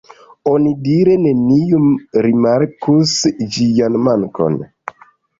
Onidire neniu rimarkus ĝian mankon.